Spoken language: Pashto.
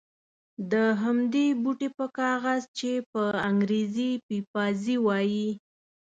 د همدې بوټي په کاغذ چې په انګرېزي پپیازي وایي.